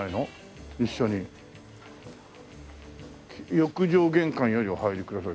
「浴場玄関よりお入り下さい」